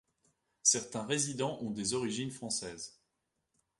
Certains résidents ont des origines françaises.